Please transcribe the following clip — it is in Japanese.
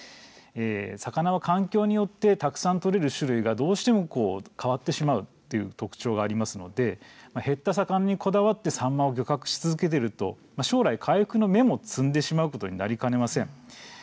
魚は環境によってたくさん取れる種類がどうしても変わってしまうという特徴がありますので減った魚にこだわってサンマを漁獲し続けていると将来回復の芽も摘んでしまうことになりかねません。